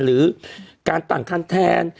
หรือการต่างคันแทน